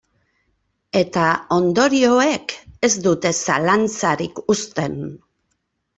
Eta ondorioek ez dute zalantzarik uzten.